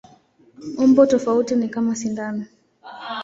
Umbo tofauti ni kama sindano.